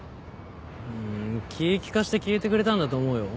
うん気利かして消えてくれたんだと思うよ。